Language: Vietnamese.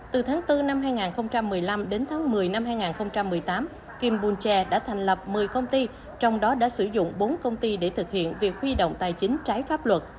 từ tháng bốn năm hai nghìn một mươi năm đến tháng một mươi năm hai nghìn một mươi tám kim bù che đã thành lập một mươi công ty trong đó đã sử dụng bốn công ty để thực hiện việc huy động tài chính trái pháp luật